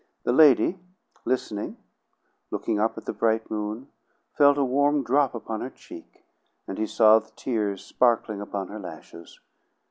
The lady, listening, looking up at the bright moon, felt a warm drop upon her cheek, and he saw the tears sparkling upon her lashes.